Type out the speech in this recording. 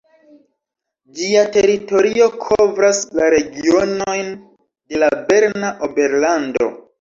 Ĝia teritorio kovras la regionojn de la Berna Oberlando.